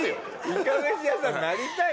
いかめし屋さんになりたい？